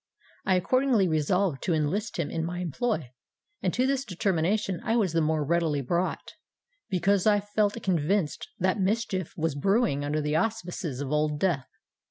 I accordingly resolved to enlist him in my employ; and to this determination I was the more readily brought, because I felt convinced that mischief was brewing under the auspices of Old Death.